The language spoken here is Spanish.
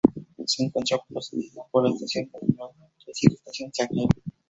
Se encuentra precedida por la Estación La Esmeralda y le sigue Estación San Jaime.